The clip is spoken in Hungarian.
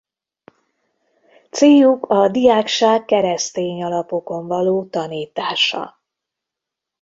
Céljuk a diákság keresztény alapokon való tanítása.